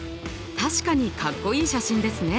確かにかっこいい写真ですね。